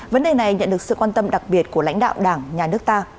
vấn đề này nhận được sự quan tâm đặc biệt của lãnh đạo đảng nhà nước ta